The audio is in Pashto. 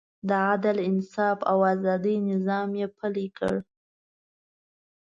د عدل، انصاف او ازادۍ نظام یې پلی کړ.